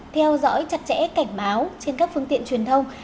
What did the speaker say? theo dõi chặt chẽ cảnh báo trên các phương tiện truyền thông